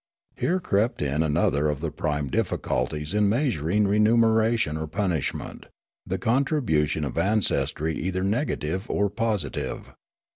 Here crept in another of the prime difficulties in measuring remuneration or punishment — the contribution of an cestry either negative or positive.